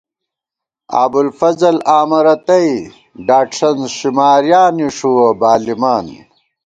ابُوالفضل آمہ رتئ، ڈاٹسن شمارِیاں نِݭُوَہ بالِمان